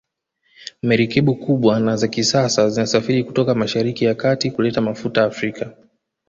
Merikebu kubwa na za kisasa zinasafiri kutoka masahariki ya kati kuleta mafuta Afrika